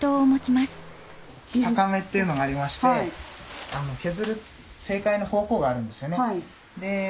逆目っていうのがありまして削る正解の方向があるんですよね。